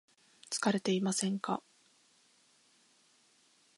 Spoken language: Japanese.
疲れていませんか